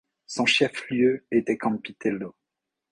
Son chef-lieu était Campitello.